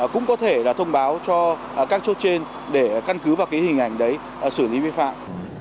cũng có thể là thông báo cho các chốt trên để căn cứ vào cái hình ảnh đấy xử lý vi phạm